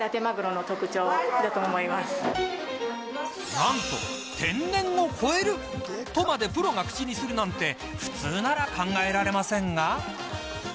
なんと、天然を超えるとまでプロが口にするなんて普通なら考えられませんが。